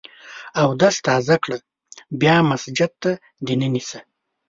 اودس تازه کړه ، بیا مسجد ته دننه سه!